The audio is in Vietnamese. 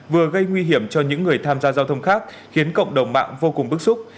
vừa gây nguy hiểm cho những người tham gia giao thông khác khiến cộng đồng mạng vô cùng bức xúc